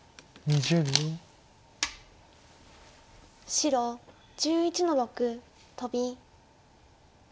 白１１の六トビ。